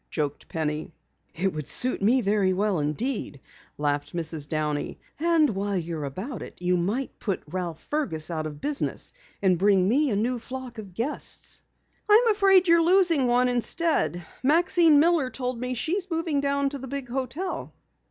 joked Penny. "It would suit me very well indeed," laughed Mrs. Downey. "And while you're about it you might put Ralph Fergus out of business, and bring me a new flock of guests." "I'm afraid you're losing one instead. Maxine Miller told me she is moving down to the big hotel."